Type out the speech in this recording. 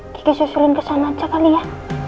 gigi susulin kesana aja kali ya